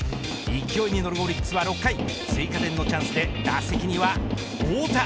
勢いに乗るオリックスは６回追加点のチャンスで打席には太田。